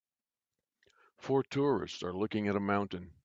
Four tourists are looking at a mountain.